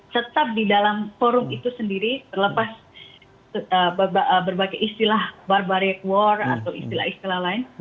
tetap di dalam forum itu sendiri terlepas berbagai istilah barbared war atau istilah istilah lain